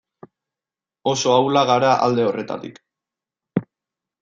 Oso ahulak gara alde horretatik.